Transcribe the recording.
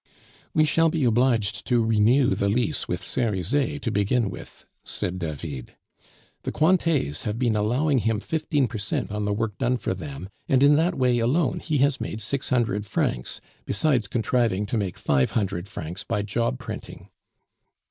"We shall be obliged to renew the lease with Cerizet, to begin with," said David. "The Cointets have been allowing him fifteen per cent on the work done for them, and in that way alone he has made six hundred francs, besides contriving to make five hundred francs by job printing."